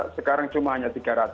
sekarang cuma hanya tiga ratus